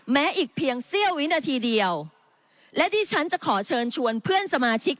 แม้อีกเพียงเสี้ยววินาทีเดียวและที่ฉันจะขอเชิญชวนเพื่อนสมาชิก